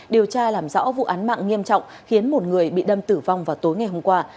điều tra làm rõ vụ án mạng nghiêm trọng khiến một người bị đâm tử vong vào tối ngày hôm qua